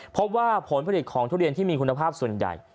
พบว่าผลผลิตของทุเรียนที่มีคุณภาพส่วนใหญ่